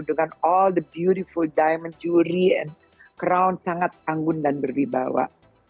dengan semua diamond yang indah dan crown sangat anggun dan berwibawa